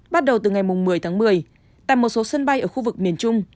bắt đầu từ ngày một mươi tháng một mươi tại một số sân bay ở khu vực miền trung